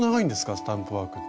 スタンプワークって。